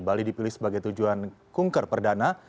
bali dipilih sebagai tujuan kunker perdana